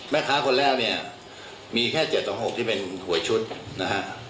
แม่ค้าคนแรกเนี่ยมีแค่๗๒๖ที่เป็นหวยชุดนะฮะ